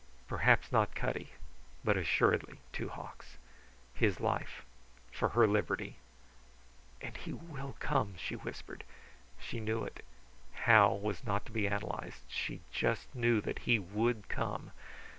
Perhaps not Cutty, but assuredly Two hawks. His life for her liberty. "And he will come!" she whispered. She knew it. How, was not to be analyzed. She just knew that he would come.